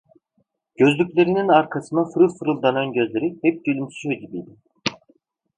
Gözlüklerinin arkasında fırıl fırıl dönen gözleri hep gülümsüyor gibiydi.